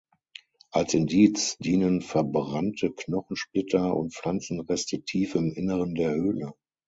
Als Indiz dienen verbrannte Knochensplitter und Pflanzenreste tief im Inneren der Höhle.